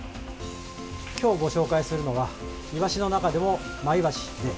今日ご紹介するのはイワシの中でも、マイワシ。